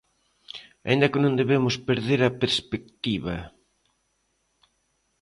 Aínda que non debemos perder a perspectiva.